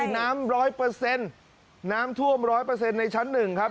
น้ำร้อยเปอร์เซ็นต์น้ำท่วมร้อยเปอร์เซ็นต์ในชั้นหนึ่งครับ